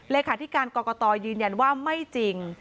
เลยค่ะที่การกรกตยืนยันว่าไม่จริง